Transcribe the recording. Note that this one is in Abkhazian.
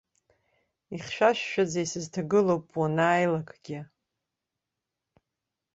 Ихьшәашәаӡа исызҭагылоуп уанааилакгьы.